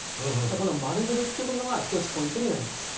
この丸めるっていうのが一つポイントになります。